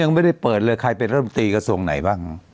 ยังไม่ได้เปิดเลยใครเป็นรัฐมนตรีกระทรวงไหนบ้าง